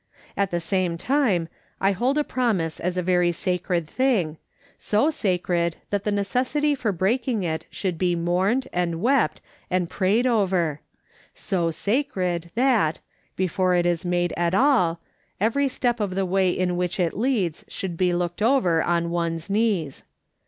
At the same time, I hold a promise as a very sacred thing, so sacred that the necessity for breaking it should be mourned, and wept, and prayed over ; so sacred that, before it is made at all, every step of the way in which it leads should be looked over on one's knees.